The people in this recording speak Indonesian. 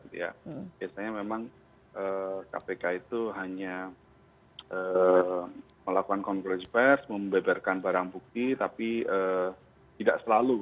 biasanya memang kpk itu hanya melakukan konferensi pers membeberkan barang bukti tapi tidak selalu